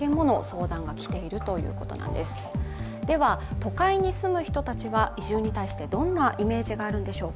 都会に住む人たちは移住に対してどんなイメージがあるのでしょうか。